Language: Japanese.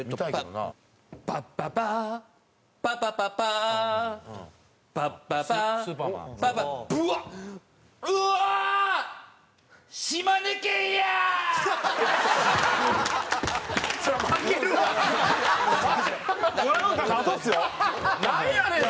なんやねん？